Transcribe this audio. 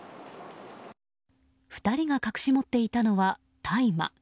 ２人が隠し持っていたのは大麻。